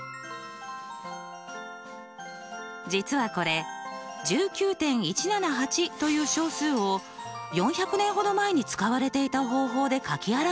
実はこれ１９．１７８という小数を４００年ほど前に使われていた方法で書き表したものなんです。